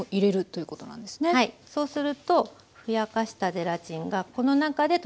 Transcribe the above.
そうするとふやかしたゼラチンがこの中で溶けるんですね。